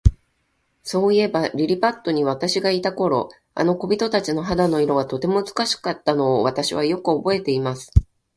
そういえば、リリパットに私がいた頃、あの小人たちの肌の色は、とても美しかったのを、私はよくおぼえています。